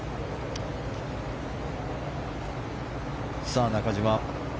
さあ、中島。